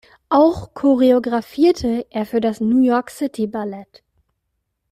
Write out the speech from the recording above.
Auch choreografierte er für das New York City Ballet.